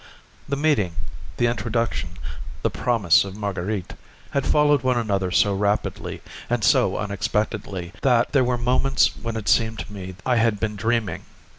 The meeting, the introduction, the promise of Marguerite, had followed one another so rapidly, and so unexpectedly, that there were moments when it seemed to me I had been dreaming.